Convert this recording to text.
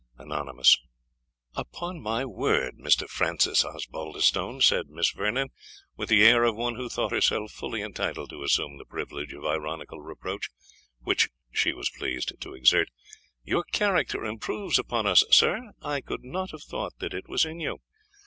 Anonymous. "Upon my Word, Mr. Francis Osbaldistone," said Miss Vernon, with the air of one who thought herself fully entitled to assume the privilege of ironical reproach, which she was pleased to exert, "your character improves upon us, sir I could not have thought that it was in you.